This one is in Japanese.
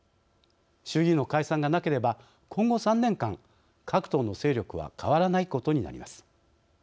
衆議院の解散がなければ今後３年間、各党の勢力は変わらないことになります。